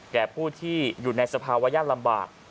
แก่ผู้ที่อยู่ในสภาวะยากลำบาก